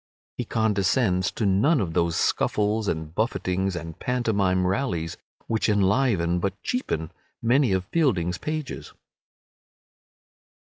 He condescends to none of those scuffles and buffetings and pantomime rallies which enliven, but cheapen, many of Fielding's pages.